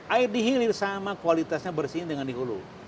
air di hilir sama kualitasnya bersih dengan di hulu